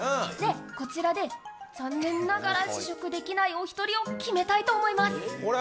こちらで残念ながら試食できないお一人を決めたいと思います。